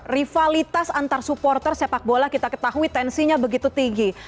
rivalitas antar supporter sepak bola kita ketahui tensinya begitu tinggi